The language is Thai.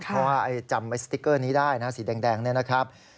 เพราะว่าจำสติ๊กเกอร์นี้ได้นะสีแดงเนี่ยนะครับ